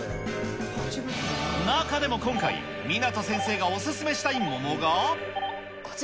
中でも今回、湊先生がお勧めしたい桃が。